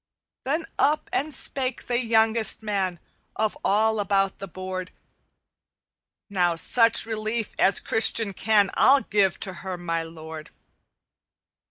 "Then up and spake the youngest man Of all about the board, 'Now such relief as Christian can I'll give to her, my lord.'